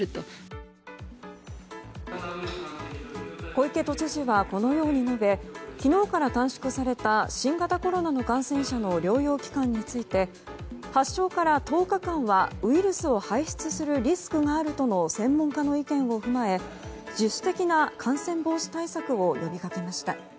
小池都知事はこのように述べ昨日から短縮された新型コロナの感染者の療養期間について発症から１０日間はウイルスを排出するリスクがあるとの専門家の意見を踏まえ自主的な感染防止対策を呼びかけました。